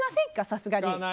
さすがに。